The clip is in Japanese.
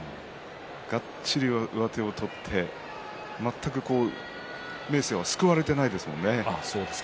がっちり上手を取って全く明生はすくわれていないですものね。